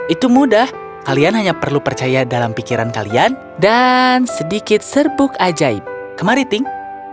itu mudah kalian hanya perlu percaya dalam pikiran kalian dan sedikit serbuk ajaib kemari think